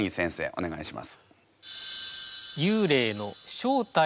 お願いします。